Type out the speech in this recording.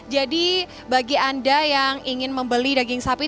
jadi bagi anda yang ingin membeli daging sapi